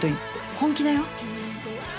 本気だよ。